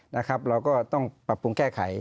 เราก็ต้องปรับปรุงแก้ไข